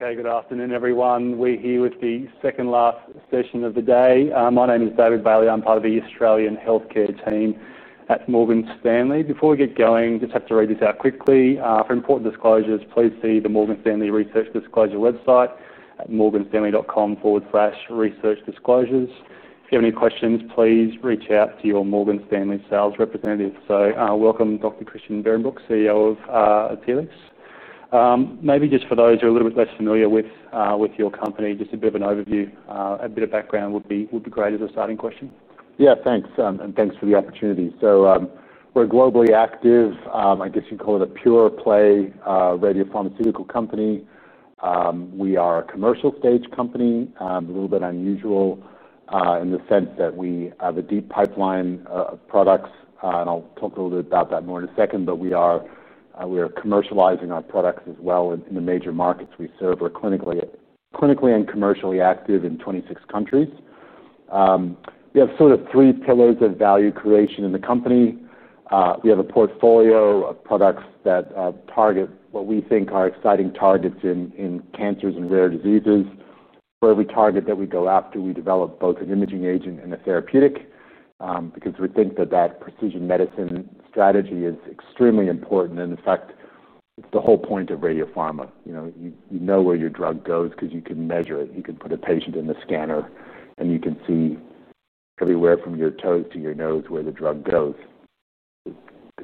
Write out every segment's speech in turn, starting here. Good afternoon, everyone. We're here with the second live session of the day. My name is David Baley. I'm part of the Australian Healthcare Team at Morgan Stanley. Before we get going, I just have to read this out quickly. For important disclosures, please see the Morgan Stanley Research Disclosure website at morganstanley.com/researchdisclosures. If you have any questions, please reach out to your Morgan Stanley sales representative. Welcome, Dr. Christian Behrenbruch, CEO of Telix Pharmaceuticals. Maybe just for those who are a little bit less familiar with your company, just a bit of an overview, a bit of background would be great as a starting question. Yeah, thanks, and thanks for the opportunity. We're globally active. I guess you'd call it a pure-play radiopharmaceutical company. We are a commercial stage company, a little bit unusual in the sense that we have a deep pipeline of products, and I'll talk a little bit about that more in a second. We are commercializing our products as well in the major markets we serve. We're clinically and commercially active in 26 countries. We have sort of three pillars of value creation in the company. We have a portfolio of products that target what we think are exciting targets in cancers and rare diseases. For every target that we go after, we develop both an imaging agent and a therapeutic because we think that that precision medicine strategy is extremely important. In fact, it's the whole point of radiopharma. You know where your drug goes because you can measure it. You can put a patient in the scanner, and you can see everywhere from your toes to your nose where the drug goes. It's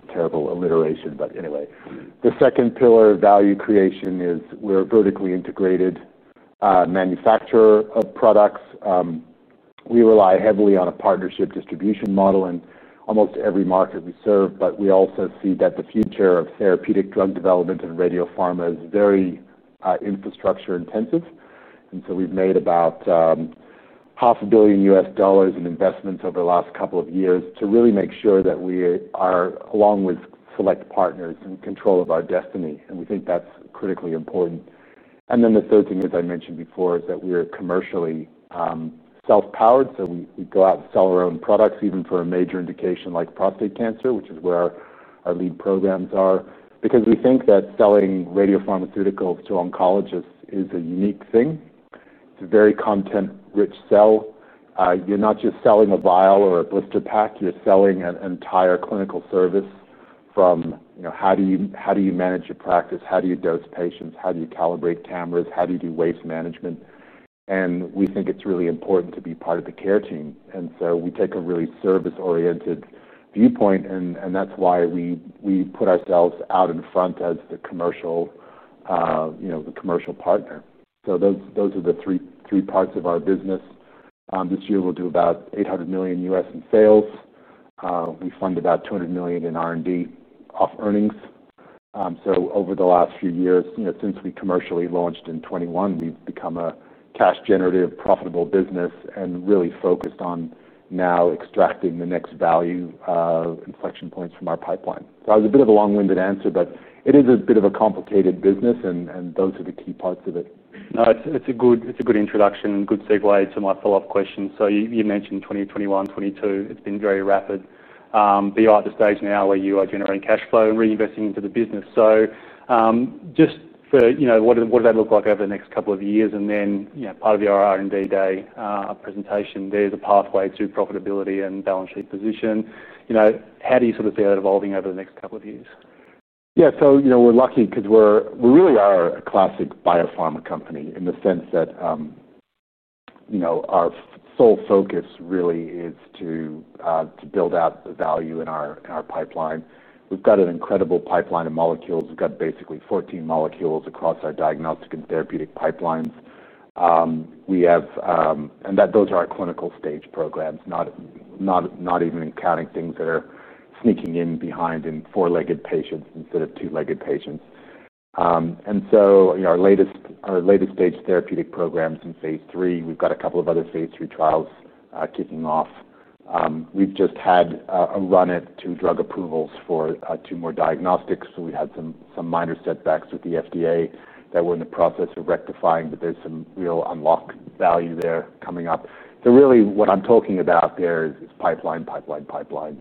terrible alliteration, but anyway. The second pillar of value creation is we're a vertically integrated manufacturer of products. We rely heavily on a partnership distribution model in almost every market we serve. We also see that the future of therapeutic drug development and radiopharma is very infrastructure intensive. We've made about $500 million in investments over the last couple of years to really make sure that we are, along with select partners, in control of our destiny. We think that's critically important. The third thing, as I mentioned before, is that we're commercially self-powered. We go out and sell our own products, even for a major indication like prostate cancer, which is where our lead programs are, because we think that selling radiopharmaceuticals to oncologists is a unique thing. It's a very content-rich sell. You're not just selling a vial or a blister pack. You're selling an entire clinical service from, you know, how do you manage your practice? How do you dose patients? How do you calibrate cameras? How do you do waste management? We think it's really important to be part of the care team. We take a really service-oriented viewpoint. That's why we put ourselves out in front as the commercial partner. Those are the three parts of our business. This year we'll do about $800 million in sales. We fund about $200 million in R&D off earnings. Over the last few years, since we commercially launched in 2021, we've become a cash-generative, profitable business and really focused on now extracting the next value inflection points from our pipeline. That was a bit of a long-winded answer, but it is a bit of a complicated business, and those are the key parts of it. No, it's a good introduction, a good segue to my follow-up question. You mentioned 2021, 2022. It's been very rapid. You're at the stage now where you are generating cash flow and reinvesting into the business. Just for, you know, what does that look like over the next couple of years? Part of your R&D day presentation, there's a pathway to profitability and balance sheet position. How do you sort of see that evolving over the next couple of years? Yeah, so you know, we're lucky because we really are a classic biopharma company in the sense that, you know, our sole focus really is to build out the value in our pipeline. We've got an incredible pipeline of molecules. We've got basically 14 molecules across our diagnostic and therapeutic pipelines. Those are our clinical stage programs, not even counting things that are sneaking in behind in four-legged patients instead of two-legged patients. Our latest stage therapeutic program is in phase III. We've got a couple of other phase III trials kicking off. We've just had a run at two drug approvals for two more diagnostics. We had some minor setbacks with the FDA that we're in the process of rectifying, but there's some real unlocked value there coming up. What I'm talking about there is pipeline, pipeline, pipeline.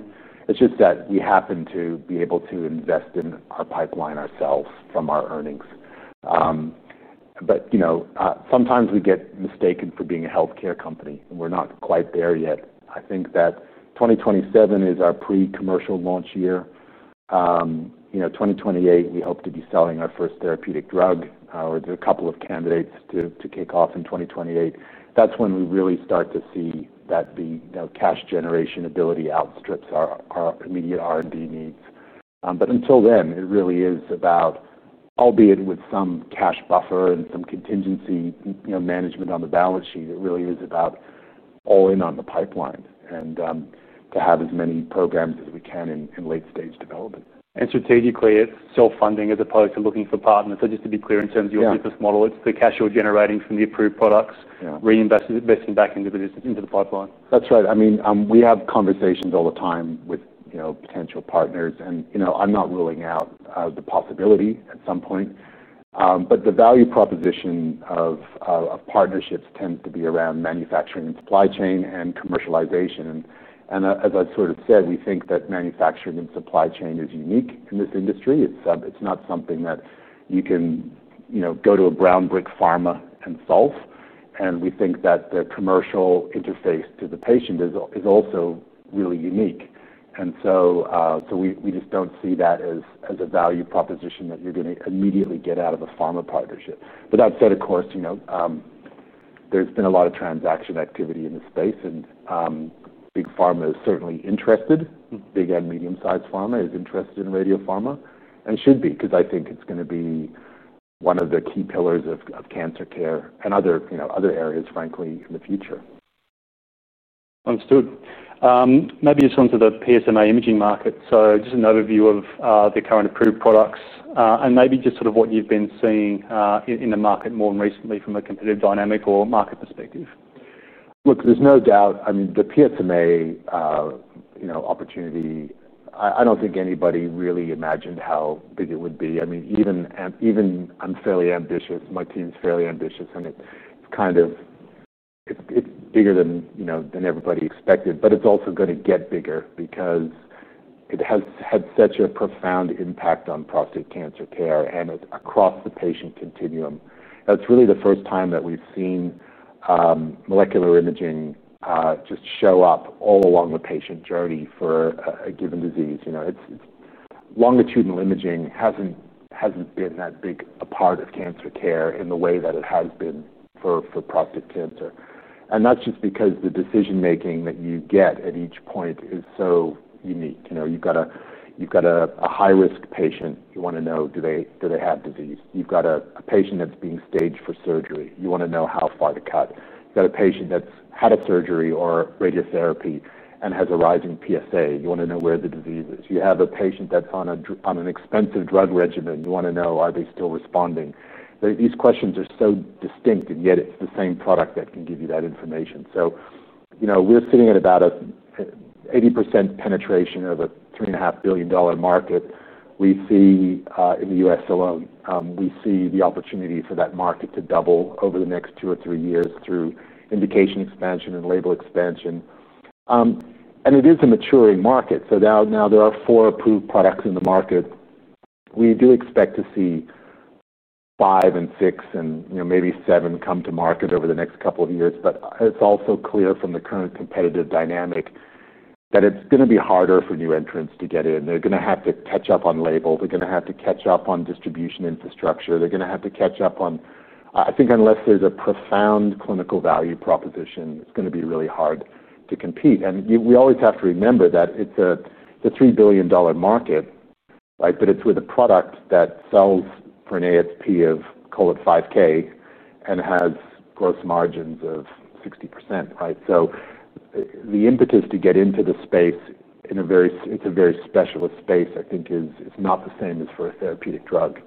It just happens that we are able to invest in our pipeline ourselves from our earnings. Sometimes we get mistaken for being a healthcare company. We're not quite there yet. I think that 2027 is our pre-commercial launch year. In 2028, we hope to be selling our first therapeutic drug. We're a couple of candidates to kick off in 2028. That's when we really start to see that the cash generation ability outstrips our immediate R&D needs. Until then, it really is about, albeit with some cash buffer and some contingency management on the balance sheet, it really is about all in on the pipeline and to have as many programs as we can in late-stage development. To you, Clay, it's still funding as opposed to looking for partners. Just to be clear, in terms of your business model, it's the cash you're generating from the approved products reinvested back into the pipeline. That's right. I mean, we have conversations all the time with potential partners. I'm not ruling out the possibility at some point. The value proposition of partnerships tends to be around manufacturing, supply chain, and commercialization. As I sort of said, we think that manufacturing and supply chain is unique in this industry. It's not something that you can go to a brown brick pharma and solve. We think that the commercial interface to the patient is also really unique. We just don't see that as a value proposition that you're going to immediately get out of a pharma partnership. I'd say, of course, there's been a lot of transaction activity in the space, and big pharma is certainly interested. Again, medium-sized pharma is interested in radiopharma and should be because I think it's going to be one of the key pillars of cancer care and other areas, frankly, in the future. Understood. Maybe just onto the PSMA imaging market. Just an overview of the current approved products and maybe just sort of what you've been seeing in the market more recently from a competitive dynamic or market perspective. Look, there's no doubt. I mean, the PSMA, you know, opportunity, I don't think anybody really imagined how big it would be. I mean, even I'm fairly ambitious. My team's fairly ambitious, and it kind of, it's bigger than, you know, than everybody expected. It's also going to get bigger because it has had such a profound impact on prostate cancer care and across the patient continuum. That's really the first time that we've seen molecular imaging just show up all along the patient journey for a given disease. You know, longitudinal imaging hasn't been that big a part of cancer care in the way that it has been for prostate cancer. That's just because the decision-making that you get at each point is so unique. You know, you've got a high-risk patient. You want to know, do they have disease? You've got a patient that's being staged for surgery. You want to know how far to cut. You've got a patient that's had a surgery or radiotherapy and has a rising PSA. You want to know where the disease is. You have a patient that's on an expensive drug regimen. You want to know, are they still responding? These questions are so distinct, and yet it's the same product that can give you that information. We're sitting at about an 80% penetration of a $3.5 billion market. We see, in the U.S. alone, we see the opportunity for that market to double over the next two or three years through indication expansion and label expansion. It is a maturing market. Now there are four approved products in the market. We do expect to see five and six and, you know, maybe seven come to market over the next couple of years. It's also clear from the current competitive dynamic that it's going to be harder for new entrants to get in. They're going to have to catch up on label. They're going to have to catch up on distribution infrastructure. They're going to have to catch up on, I think, unless there's a profound clinical value proposition, it's going to be really hard to compete. We always have to remember that it's a $3 billion market, right? It's with a product that sells for an ASP of, call it, $5,000 and has gross margins of 60%, right? The impetus to get into the space in a very, it's a very specialist space, I think, is not the same as for a therapeutic drug.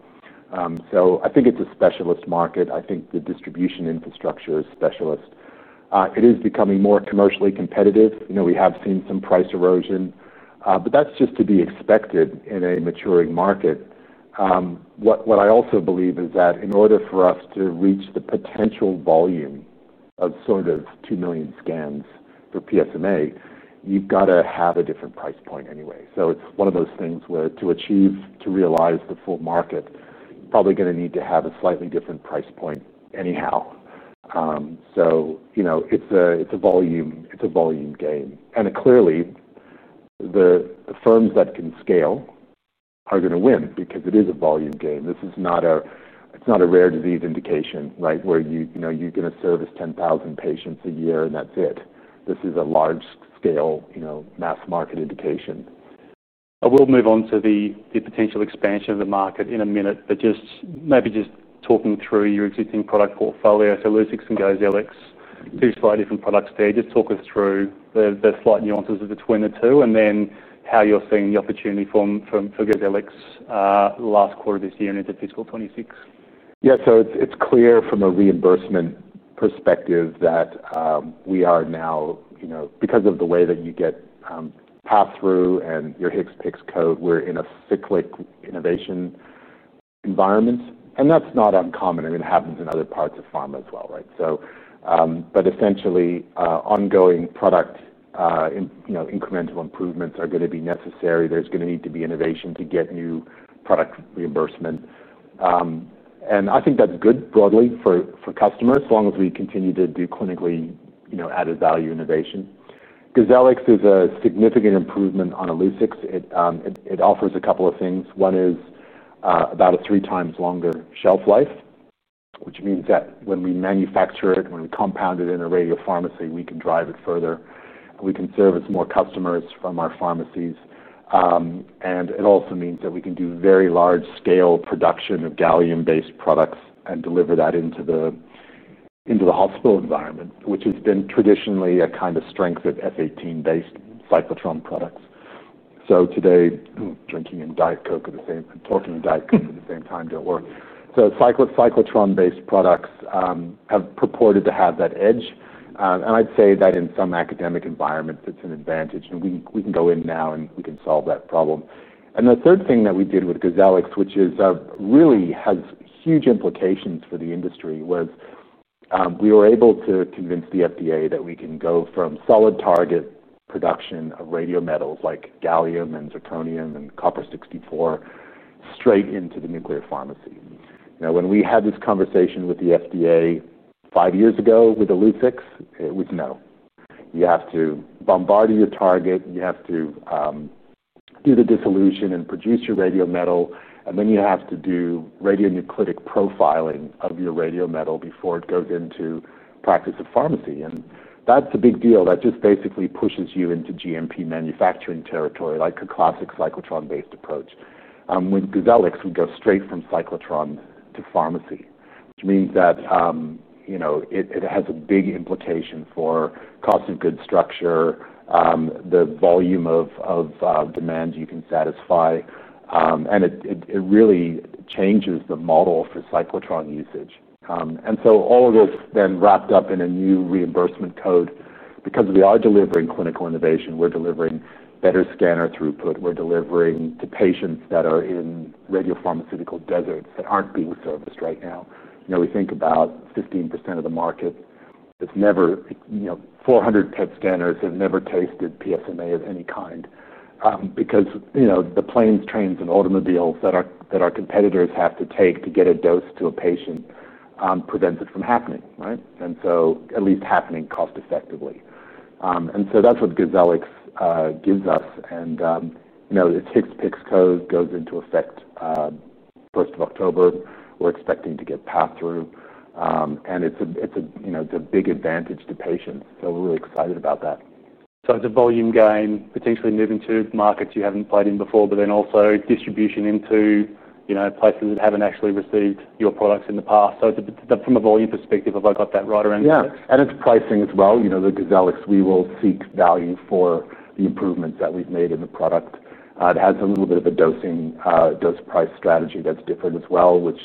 I think it's a specialist market. I think the distribution infrastructure is specialist. It is becoming more commercially competitive. We have seen some price erosion, but that's just to be expected in a maturing market. What I also believe is that in order for us to reach the potential volume of sort of 2 million scans for PSMA, you've got to have a different price point anyway. It's one of those things where to achieve, to realize the full market, probably going to need to have a slightly different price point anyhow. It's a volume game. Clearly, the firms that can scale are going to win because it is a volume game. This is not a rare disease indication, right, where you know you're going to service 10,000 patients a year and that's it. This is a large-scale, mass market indication. We'll move on to the potential expansion of the market in a minute. Just maybe just talking through your existing product portfolio. So Illuccix and Gozelix, two slightly different products there. Just talk us through the slight nuances between the two and then how you're seeing the opportunity for Gozelix last quarter this year and into fiscal 2026. Yeah, so it's clear from a reimbursement perspective that we are now, you know, because of the way that you get pass-through and your HCPCS code, we're in a cyclic innovation environment. That's not uncommon. I mean, it happens in other parts of pharma as well, right? Essentially, ongoing product, you know, incremental improvements are going to be necessary. There's going to need to be innovation to get new product reimbursement. I think that's good broadly for customers as long as we continue to do clinically, you know, added value innovation. Gozelix is a significant improvement on Illuccix. It offers a couple of things. One is about a three times longer shelf life, which means that when we manufacture it, when we compound it in a radiopharmacy, we can drive it further. We can serve more customers from our pharmacies. It also means that we can do very large-scale production of gallium-based products and deliver that into the hospital environment, which has been traditionally a kind of strength of F-18–based cyclotron products. Cyclotron-based products have purported to have that edge. I'd say that in some academic environments, it's an advantage. We can go in now and we can solve that problem. The third thing that we did with Gozelix, which really has huge implications for the industry, was we were able to convince the FDA that we can go from solid target production of radiometals like gallium and zirconium and copper-64 straight into the nuclear pharmacy. Now, when we had this conversation with the FDA five years ago with Illuccix, it was no. You have to bombard your target. You have to do the dissolution and produce your radiometal. Then you have to do radionuclidic profiling of your radiometal before it goes into practice of pharmacy. That's a big deal. That just basically pushes you into GMP manufacturing territory, like a classic cyclotron-based approach. With Gozelix, we go straight from cyclotron to pharmacy, which means that, you know, it has a big implication for cost of goods structure, the volume of demands you can satisfy. It really changes the model for cyclotron usage. All of this then wrapped up in a new reimbursement code because we are delivering clinical innovation, we're delivering better scanner throughput. We're delivering to patients that are in radiopharmaceutical deserts that aren't being serviced right now. Now we think about 15% of the market. It's never, you know, 400 PET scanners have never tasted PSMA of any kind because, you know, the planes, trains, and automobiles that our competitors have to take to get a dose to a patient prevents it from happening, right? At least happening cost-effectively, and that's what Gozelix gives us. You know, the TIFS-PICS code goes into effect first of October. We're expecting to get pass-through, and it's a big advantage to patients. We're really excited about that. It's a volume gain, potentially move into markets you haven't played in before, but then also distribution into places that haven't actually received your products in the past. From a volume perspective, have I got that right around? Yeah, and it's pricing as well. You know, the Gozelix, we will seek value for the improvements that we've made in the product. It has a little bit of a dosing dose price strategy that's different as well, which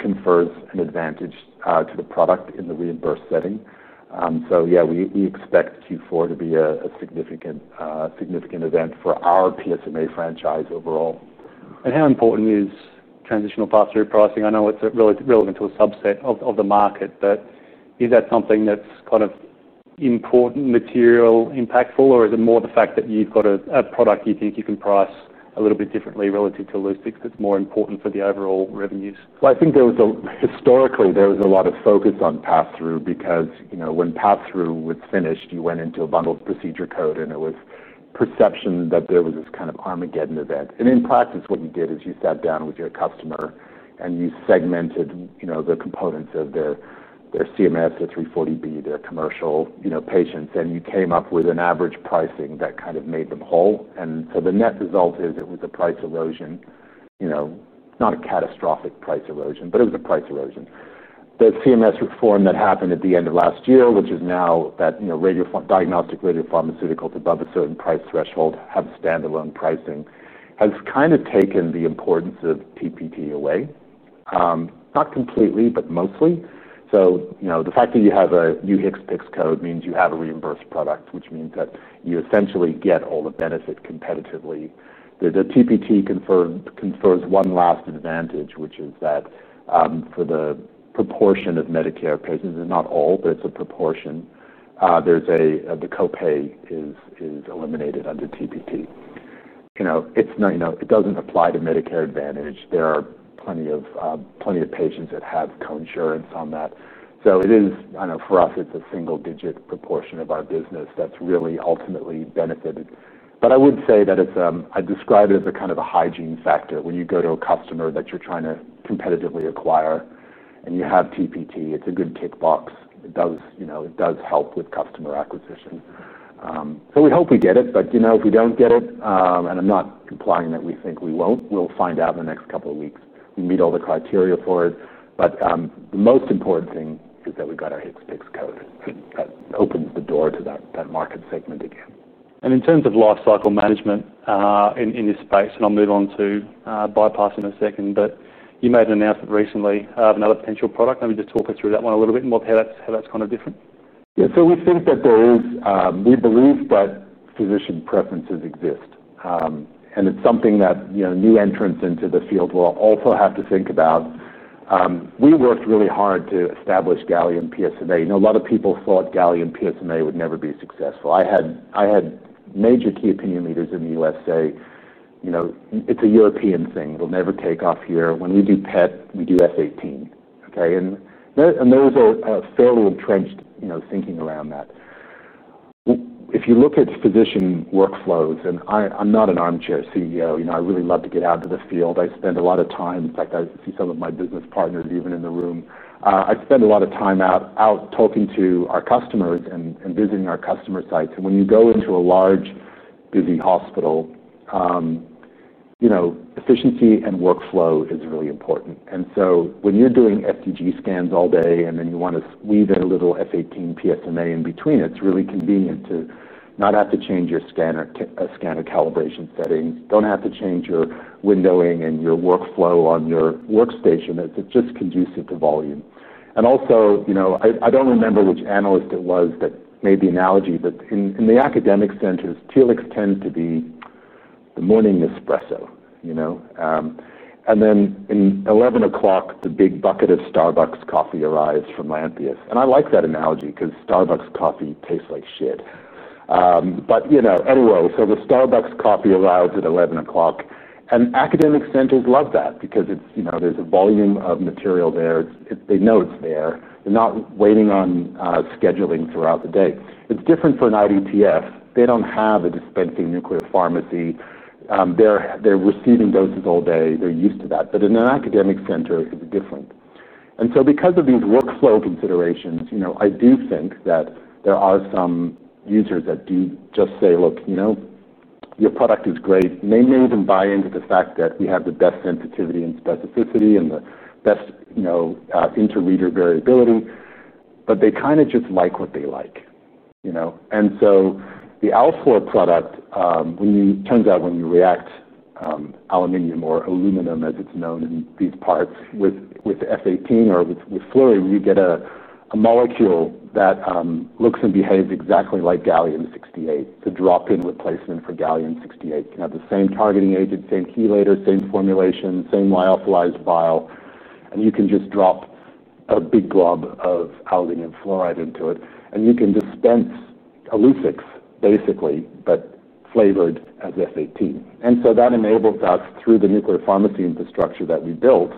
confers an advantage to the product in the reimbursed setting. Yeah, we expect Q4 to be a significant event for our PSMA franchise overall. How important is transitional pass-through pricing? I know it's relevant to a subset of the market, but is that something that's kind of important, material, impactful, or is it more the fact that you've got a product you think you can price a little bit differently relative to Illuccix that's more important for the overall revenues? I think historically, there was a lot of focus on pass-through because, you know, when pass-through was finished, you went into a bundled procedure code, and it was perception that there was this kind of Armageddon event. In practice, what you did is you sat down with your customer and you segmented, you know, the components of their CMS, their 340B, their commercial, you know, patients, and you came up with an average pricing that kind of made them whole. The net result is it was a price erosion, you know, not a catastrophic price erosion, but it was a price erosion. The CMS reform that happened at the end of last year, which is now that, you know, diagnostic radiopharmaceuticals above a certain price threshold have standalone pricing, has kind of taken the importance of TPT away, not completely, but mostly. You know, the fact that you have a new HCPCS code means you have a reimbursed product, which means that you essentially get all the benefit competitively. The TPT confers one last advantage, which is that, for the proportion of Medicare patients, and not all, but it's a proportion, the copay is eliminated under TPT. You know, it doesn't apply to Medicare Advantage. There are plenty of patients that have co-insurance on that. I know for us, it's a single-digit proportion of our business that's really ultimately benefited. I would say that it's, I describe it as a kind of a hygiene factor. When you go to a customer that you're trying to competitively acquire and you have TPT, it's a good kickbox. It does help with customer acquisition. We hope we get it. If we don't get it, and I'm not implying that we think we won't, we'll find out in the next couple of weeks. We meet all the criteria for it. The most important thing is that we've got our HCPCS code that opens the door to that market segment again. In terms of lifecycle management in this space, I'll move on to BYPASS in a second, but you made an announcement recently of another potential product. Maybe just talk us through that one a little bit more, of how that's kind of different. Yeah, so we think that there is, we believe that physician preferences exist, and it's something that, you know, new entrants into the field will also have to think about. We worked really hard to establish gallium PSMA. You know, a lot of people thought gallium PSMA would never be successful. I had major key opinion leaders in the U.S. say, you know, it's a European thing. It'll never take off here. When we do PET, we do F18. There was a fairly entrenched thinking around that. If you look at physician workflows, and I'm not an armchair CEO, I really love to get out into the field. I spend a lot of time, in fact, I see some of my business partners even in the room. I spend a lot of time out talking to our customers and visiting our customer sites. When you go into a large, busy hospital, efficiency and workflow is really important. When you're doing FDG scans all day and then you want to weave in a little F18 PSMA in between, it's really convenient to not have to change your scanner calibration settings, don't have to change your windowing and your workflow on your workstation. It's just conducive to volume. Also, I don't remember which analyst it was that made the analogy, but in the academic centers, Telix tends to be the morning espresso, you know, and then at 11:00 A.M., the big bucket of Starbucks coffee arrives from Lantheus. I like that analogy because Starbucks coffee tastes like shit, but you know, anyway, the Starbucks coffee arrives at 11:00 A.M. Academic centers love that because there's a volume of material there. They know it's there. They're not waiting on scheduling throughout the day. It's different for an IDTF. They don't have a dispensing nuclear pharmacy. They're receiving doses all day. They're used to that. In an academic center, it's different. Because of these workflow considerations, I do think that there are some users that do just say, look, your product is great. They may even buy into the fact that we have the best sensitivity and specificity and the best interreader variability, but they kind of just like what they like. The Alflur product, when you, it turns out when you react aluminum, or aluminum as it's known in these parts, with the F18 or with fluorine, you get a molecule that looks and behaves exactly like gallium 68. The drop-in replacement for gallium 68 can have the same targeting agent, same chelator, same formulation, same lyophilized vial. You can just drop a big blob of aluminum fluoride into it. You can dispense Illuccix, basically, but flavored as F-18. That enabled us, through the nuclear pharmacy infrastructure that we built,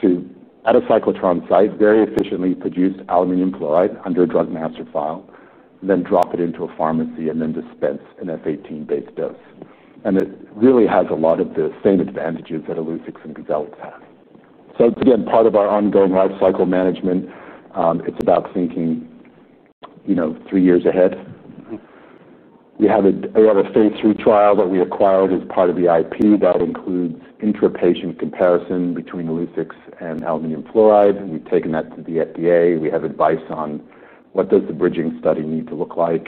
to, at a cyclotron site, very efficiently produce aluminum fluoride under a drug master file, then drop it into a pharmacy, and then dispense an F-18–based dose. It really has a lot of the same advantages that Illuccix and Gozelix have. It's, again, part of our ongoing lifecycle management. It's about thinking, you know, three years ahead. We have a phase III trial that we acquired as part of the IP that includes intra-patient comparison between Illuccix and aluminum fluoride. We've taken that to the FDA. We have advice on what does the bridging study need to look like.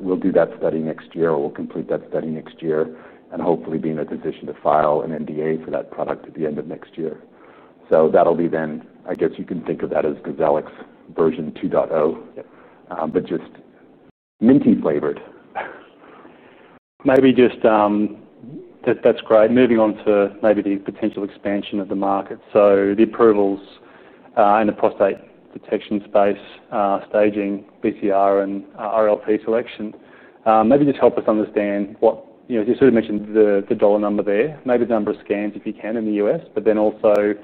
We'll do that study next year, or we'll complete that study next year, and hopefully be in a position to file an NDA for that product at the end of next year. That'll be then, I guess you can think of that as Gozelix version 2.0, but just minty flavored. That's great. Moving on to the potential expansion of the market. The approvals in the prostate detection space, staging, BCR, and RLT selection. Maybe just help us understand what, you know, you sort of mentioned the dollar number there, maybe the number of scans if you can in the U.S., but then also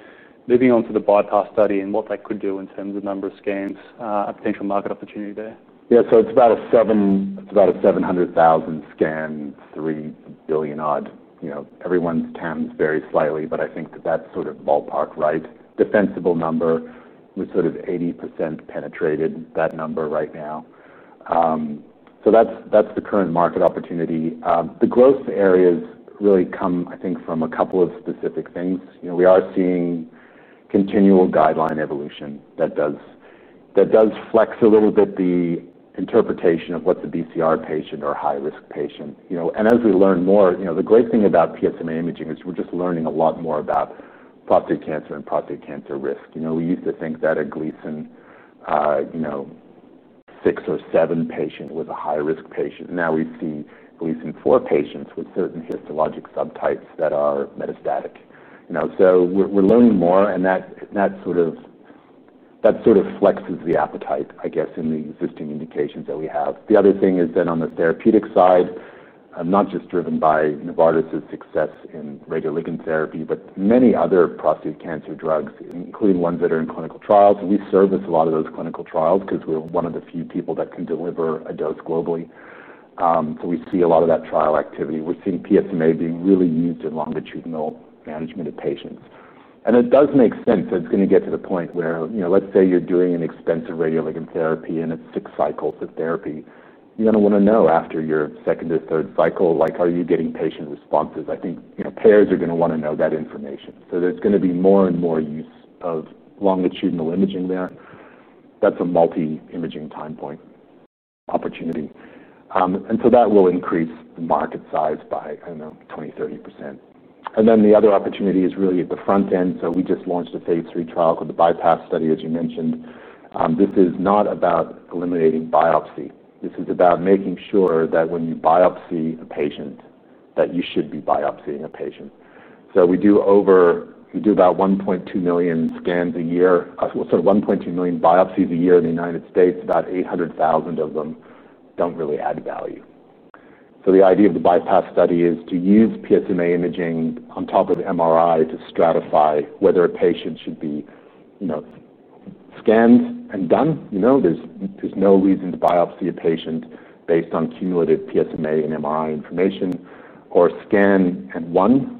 moving on to the BYPASS study and what that could do in terms of the number of scans, a potential market opportunity there. Yeah, so it's about a 700,000 scan, $3 billion odd. You know, everyone's terms vary slightly, but I think that that's sort of ballpark, right? Defensible number was sort of 80% penetrated, that number right now. That's the current market opportunity. The growth areas really come, I think, from a couple of specific things. You know, we are seeing continual guideline evolution that does flex a little bit the interpretation of what's a BCR patient or a high-risk patient. You know, and as we learn more, you know, the great thing about PSMA imaging is we're just learning a lot more about prostate cancer and prostate cancer risk. You know, we used to think that a Gleason, you know, six or seven patient was a high-risk patient. Now we see Gleason four patients with certain histologic subtypes that are metastatic. You know, so we're learning more, and that sort of flexes the appetite, I guess, in the existing indications that we have. The other thing is that on the therapeutic side, I'm not just driven by Novartis's success in radioligand therapy, but many other prostate cancer drugs, including ones that are in clinical trials. We service a lot of those clinical trials because we're one of the few people that can deliver a dose globally. We see a lot of that trial activity. We're seeing PSMA being really used in longitudinal management of patients. It does make sense. It's going to get to the point where, you know, let's say you're doing an expensive radioligand therapy and it's six cycles of therapy. You're going to want to know after your second or third cycle, like, are you getting patient responses? I think, you know, payers are going to want to know that information. There's going to be more and more use of longitudinal imaging there. That's a multi-imaging time point opportunity, and so that will increase market size by, I don't know, 20, 30%. The other opportunity is really at the front end. We just launched a phase III trial called the BYPASS study, as you mentioned. This is not about eliminating biopsy. This is about making sure that when you biopsy a patient, that you should be biopsying a patient. We do about 1.2 million scans a year, sort of 1.2 million biopsies a year in the United States. About 800,000 of them don't really add value. The idea of the BYPASS study is to use PSMA imaging on top of the MRI to stratify whether a patient should be scanned and done. There's no reason to biopsy a patient based on cumulative PSMA and MRI information or scan and one.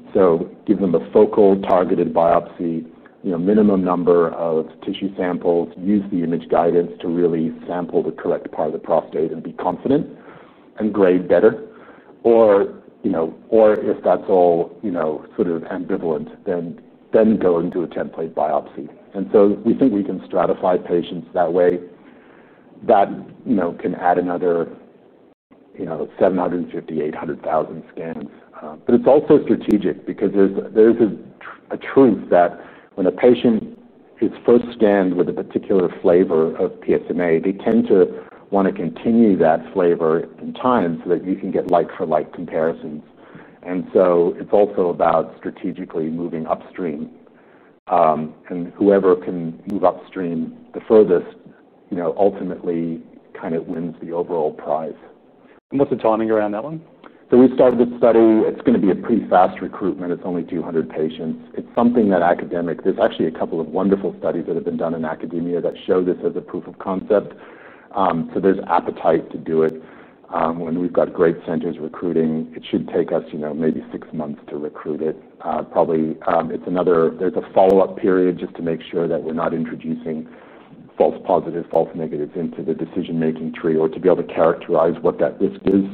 Give them a focal targeted biopsy, minimum number of tissue samples, use the image guidance to really sample the correct part of the prostate and be confident and grade better. If that's all sort of ambivalent, then go into a template biopsy. We think we can stratify patients that way. That can add another 750,000 to 800,000 scans. It's also strategic because there's a truth that when a patient is first scanned with a particular flavor of PSMA, they tend to want to continue that flavor in time so that you can get like-for-like comparisons. It's also about strategically moving upstream. Whoever can move upstream the furthest ultimately kind of wins the overall prize. What is the timing around that one? We started the study. It's going to be a pretty fast recruitment. It's only 200 patients. It's something that academics, there's actually a couple of wonderful studies that have been done in academia that show this as a proof of concept. There's appetite to do it. When we've got great centers recruiting, it should take us, you know, maybe six months to recruit it. Probably, it's another, there's a follow-up period just to make sure that we're not introducing false positives, false negatives into the decision-making tree or to be able to characterize what that risk is.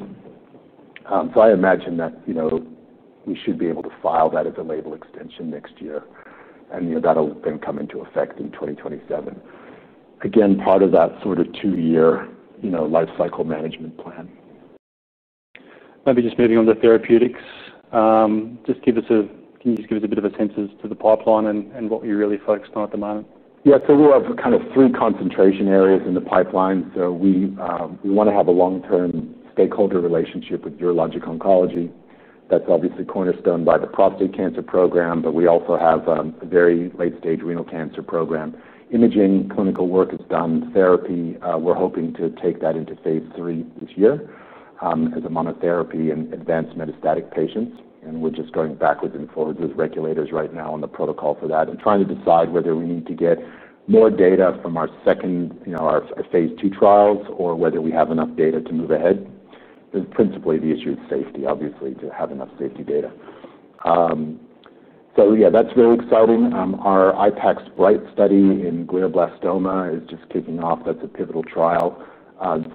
I imagine that, you know, we should be able to file that as a label extension next year. That'll then come into effect in 2027. Again, part of that sort of two-year, you know, lifecycle management plan. Maybe just moving on to therapeutics. Can you just give us a bit of a sense as to the pipeline and what you're really focused on at the moment? Yeah, so we'll have kind of three concentration areas in the pipeline. We want to have a long-term stakeholder relationship with urologic oncology. That's obviously cornerstone by the prostate cancer program, but we also have a very late-stage renal cancer program. Imaging clinical work is done. Therapy, we're hoping to take that into phase III this year, as a monotherapy in advanced metastatic patients. We're just going backwards and forwards with regulators right now on the protocol for that and trying to decide whether we need to get more data from our second, you know, our phase II trials or whether we have enough data to move ahead. There's principally the issue of safety, obviously, to have enough safety data. That's very exciting. Our IPEX Bright study in glioblastoma is just kicking off. That's a pivotal trial,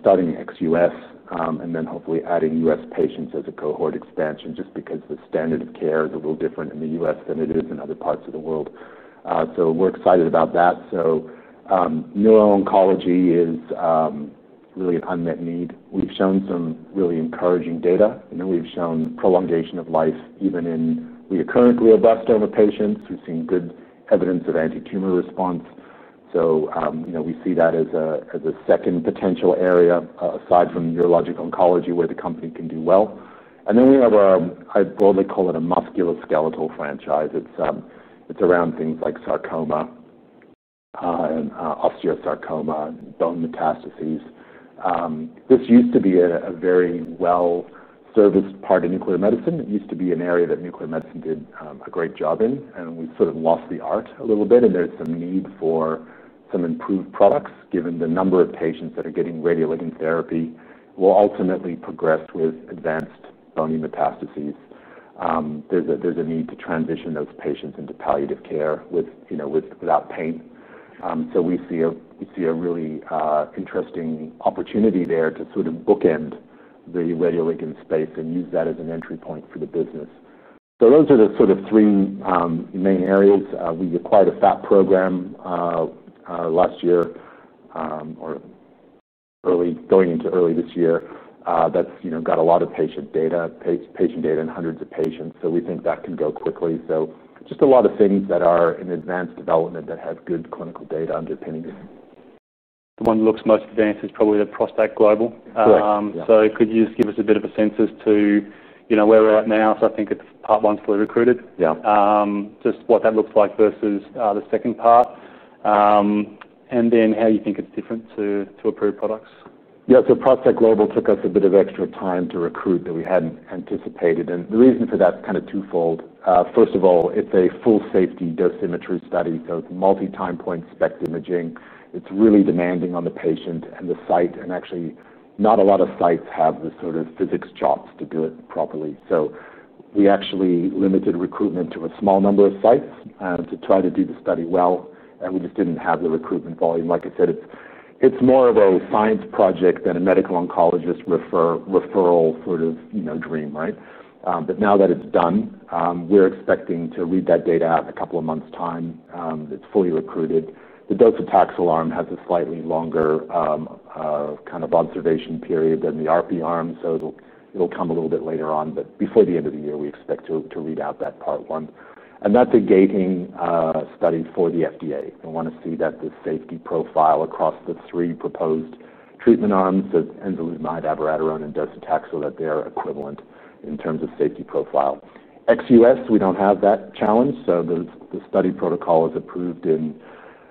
starting at ex-U.S., and then hopefully adding U.S. patients as a cohort expansion just because the standard of care is a little different in the U.S. than it is in other parts of the world. We're excited about that. Neuro-oncology is really an unmet need. We've shown some really encouraging data. We've shown prolongation of life even in recurrent glioblastoma patients. We've seen good evidence of anti-tumor response. We see that as a second potential area, aside from urologic oncology, where the company can do well. We have a, I boldly call it a musculoskeletal franchise. It's around things like sarcoma, osteosarcoma, and bone metastases. This used to be a very well-serviced part of nuclear medicine. It used to be an area that nuclear medicine did a great job in. We've sort of lost the art a little bit. There's the need for some improved products given the number of patients that are getting radioligand therapy will ultimately progress with advanced bony metastases. There's a need to transition those patients into palliative care without pain. We see a really interesting opportunity there to sort of bookend the radioligand space and use that as an entry point for the business. Those are the sort of three main areas. We acquired a FAT program last year, or early going into early this year. That's got a lot of patient data, patient data in hundreds of patients. We think that can go quickly. Just a lot of things that are in advanced development that have good clinical data underpinning them. The one that looks most advanced is probably the Prostate Global. Could you just give us a bit of a sense as to, you know, where we're at now? I think it's part one's fully recruited. Just what that looks like versus the second part, and then how you think it's different to approved products. Yeah, so Prostate Global took us a bit of extra time to recruit that we hadn't anticipated. The reason for that's kind of twofold. First of all, it's a full safety dosimetry study, so it's multi-time point SPECT imaging. It's really demanding on the patient and the site, and actually not a lot of sites have the sort of physics chops to do it properly. We actually limited recruitment to a small number of sites to try to do the study well. We just didn't have the recruitment volume. Like I said, it's more of a science project than a medical oncologist referral sort of, you know, dream, right? Now that it's done, we're expecting to read that data out in a couple of months' time. It's fully recruited. The docetaxel arm has a slightly longer, kind of observation period than the RP arm, so it'll come a little bit later on. Before the end of the year, we expect to read out that part one. That's a gating study for the FDA. They want to see that the safety profile across the three proposed treatment arms, so enzalutamide, abiraterone, and docetaxel, that they're equivalent in terms of safety profile. Ex-U.S., we don't have that challenge. The study protocol is approved in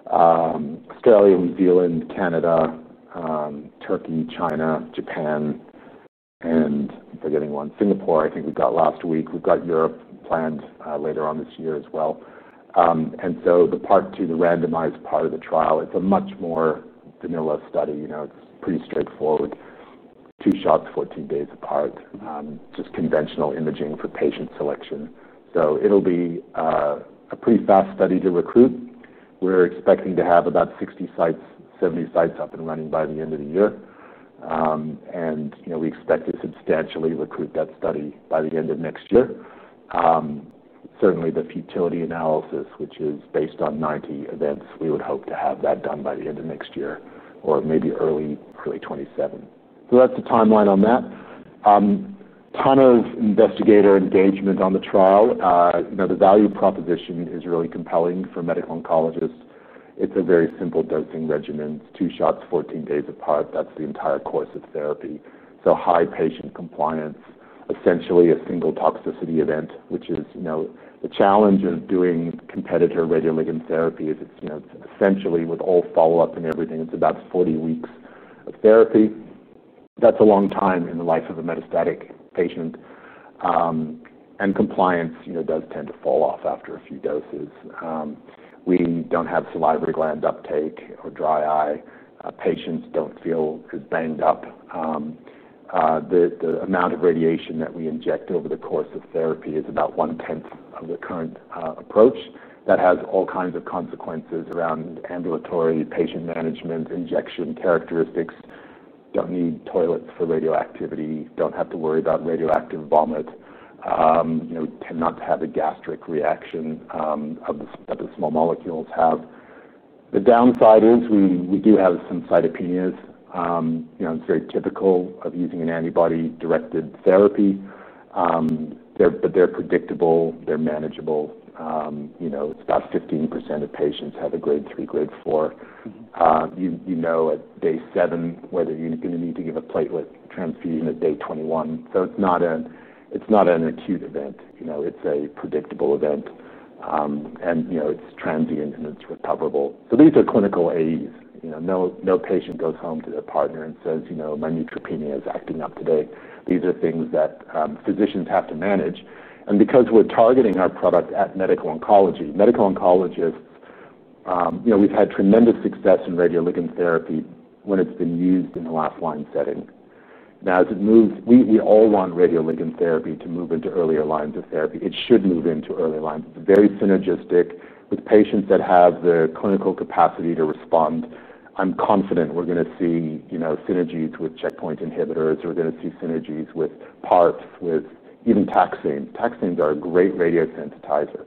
Australia, New Zealand, Canada, Turkey, China, Japan, and I'm forgetting one, Singapore, I think we got last week. We've got Europe planned later on this year as well. The part two, the randomized part of the trial, it's a much more vanilla study. It's pretty straightforward. Two shots, 14 days apart. Just conventional imaging for patient selection. It'll be a pretty fast study to recruit. We're expecting to have about 60 sites, 70 sites up and running by the end of the year. We expect to substantially recruit that study by the end of next year. Certainly the futility analysis, which is based on 90 events, we would hope to have that done by the end of next year or maybe early, early 2027. That's the timeline on that. A ton of investigator engagement on the trial. The value proposition is really compelling for medical oncologists. It's a very simple dosing regimen. It's two shots, 14 days apart. That's the entire course of therapy. High patient compliance, essentially a single toxicity event, which is, you know, the challenge of doing competitor radioligand therapy is it's, you know, essentially with all follow-up and everything, it's about 40 weeks of therapy. That's a long time in the life of a metastatic patient. And compliance, you know, does tend to fall off after a few doses. We don't have salivary gland uptake or dry eye. Patients don't feel as banged up. The amount of radiation that we inject over the course of therapy is about one-tenth of the current approach. That has all kinds of consequences around ambulatory patient management and injection characteristics. Don't need toilets for radioactivity. Don't have to worry about radioactive vomit. You know, tend not to have the gastric reaction that the small molecules have. The downside is we do have some cytopenias. You know, it's very typical of using an antibody-directed therapy, but they're predictable and they're manageable. You know, it's about 15% of patients have a grade 3, grade 4. You know at day seven whether you're going to need to give a platelet transfusion at day 21. It's not an acute event. You know, it's a predictable event, and you know, it's transient and it's recoverable. These are clinical AEs. No patient goes home to their partner and says, you know, my neutropenia is acting up today. These are things that physicians have to manage. Because we're targeting our product at medical oncology, medical oncologists, you know, we've had tremendous success in radioligand therapy when it's been used in the last line setting. Now, as it moves, we all want radioligand therapy to move into earlier lines of therapy. It should move into earlier lines. It's very synergistic with patients that have the clinical capacity to respond. I'm confident we're going to see, you know, synergies with checkpoint inhibitors. We're going to see synergies with PARPs, with even taxanes. Taxanes are a great radiosensitizer.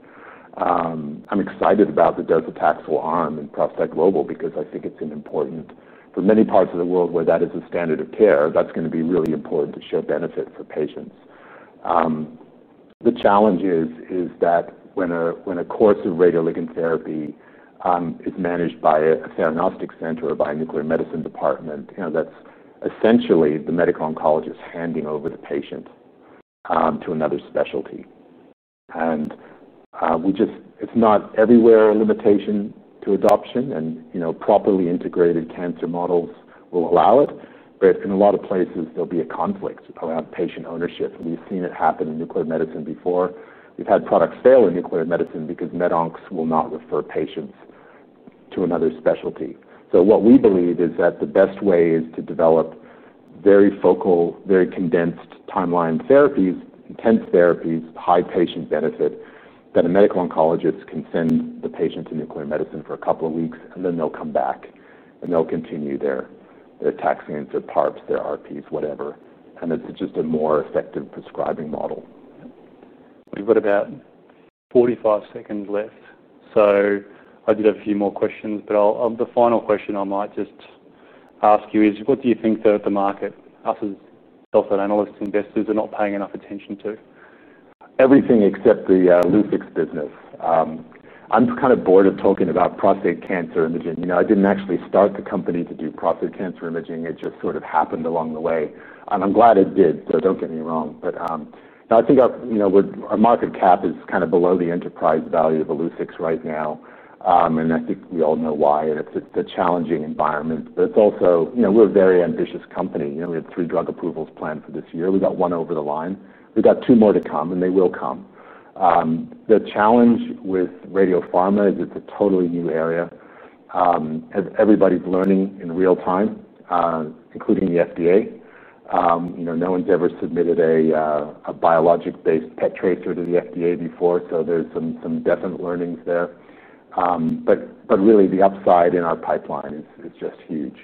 I'm excited about the docetaxel arm in Prostate Global because I think it's important for many parts of the world where that is a standard of care. That's going to be really important to show benefit for patients. The challenge is that when a course of radioligand therapy is managed by a theranostic center or by a nuclear medicine department, you know, that's essentially the medical oncologist handing over the patient to another specialty. It's not everywhere a limitation to adoption, and properly integrated cancer models will allow it. In a lot of places, there'll be a conflict around patient ownership. We've seen it happen in nuclear medicine before. We've had products fail in nuclear medicine because med oncs will not refer patients to another specialty. What we believe is that the best way is to develop very focal, very condensed timeline therapies, intense therapies, high patient benefit, that a medical oncologist can send the patient to nuclear medicine for a couple of weeks, and then they'll come back, and they'll continue their taxanes, their PARPs, their RPs, whatever. It's just a more effective prescribing model. We've got about 45 seconds left. I do have a few more questions, but the final question I might just ask you is what do you think that the market, us as healthcare analysts, investors, are not paying enough attention to? Everything except the Illuccix business. I'm kind of bored of talking about prostate cancer imaging. You know, I didn't actually start the company to do prostate cancer imaging. It just sort of happened along the way. I'm glad it did, so don't get me wrong. I think our, you know, our market cap is kind of below the enterprise value of Illuccix right now, and I think we all know why. It's a challenging environment. It's also, you know, we're a very ambitious company. You know, we have three drug approvals planned for this year. We got one over the line. We've got two more to come, and they will come. The challenge with radiopharma is it's a totally new area, and everybody's learning in real time, including the FDA. You know, no one's ever submitted a biologic-based PET tracer to the FDA before. There's some definite learnings there. Really, the upside in our pipeline is just huge.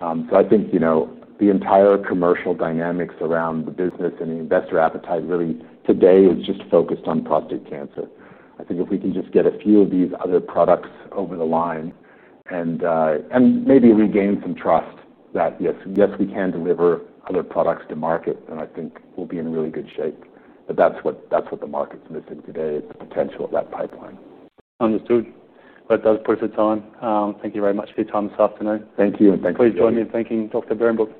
I think, you know, the entire commercial dynamics around the business and the investor appetite really today is just focused on prostate cancer. I think if we can just get a few of these other products over the line and maybe regain some trust that, yes, yes, we can deliver other products to market, then I think we'll be in really good shape. That's what the market's missing today, is the potential of that pipeline. Understood. That does push it on. Thank you very much for your time this afternoon. Thank you. Thank you for joining me. Thank you, Dr. Behrenbruch.